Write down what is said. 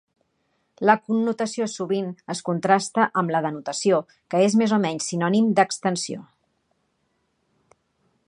La connotació sovint es contrasta amb la "denotació", que és més o menys sinònim de "extensió".